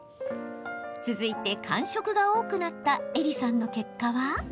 続いて、間食が多くなったエリさんの結果は？